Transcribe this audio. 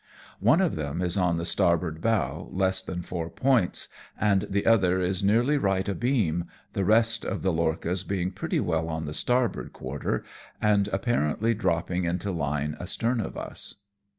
One of them is on the starboard bow, less than four points, and the other is nearly right abeam, the rest of the lorchas being pretty well on the starboard quarter, and ap parently dropping into line astern of us.